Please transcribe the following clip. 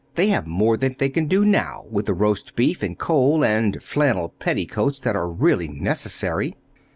"They have more than they can do now with the roast beef and coal and flannel petticoats that are really necessary."